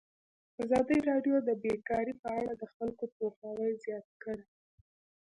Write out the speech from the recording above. ازادي راډیو د بیکاري په اړه د خلکو پوهاوی زیات کړی.